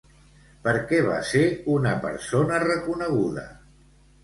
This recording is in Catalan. Per què va ser una persona reconeguda?